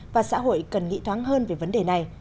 và xã hội cần nghị thoáng hơn về vấn đề này